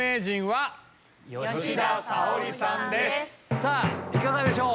さぁいかがでしょう？